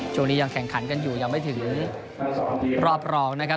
ยังแข่งขันกันอยู่ยังไม่ถึงรอบรองนะครับ